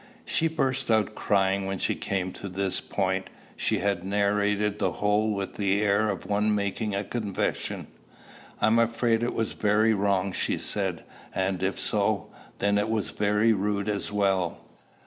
She burst out crying when she came to this point. She had narrated the whole with the air of one making a confession. "I am afraid it was very wrong," she said; "and if so, then it was very rude as well.